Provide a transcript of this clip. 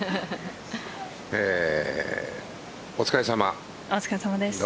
お疲れさま。